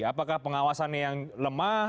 apakah pengawasannya yang lemah